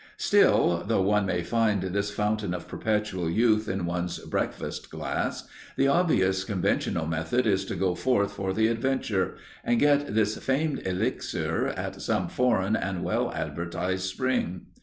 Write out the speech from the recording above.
Still, though one may find this fountain of perpetual youth in one's breakfast glass, the obvious conventional method is to go forth for the adventure, and get this famed elixir at some foreign and well advertised spring.